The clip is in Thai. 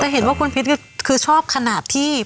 เห็นว่าคุณพิษคือชอบขนาดที่